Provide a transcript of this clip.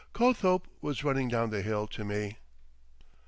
Cothope was running down the hill to me.